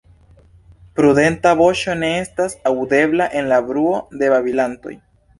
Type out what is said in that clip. Prudenta voĉo ne estas aŭdebla en la bruo de babilantoj.